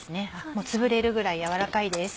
もうつぶれるぐらい軟らかいです。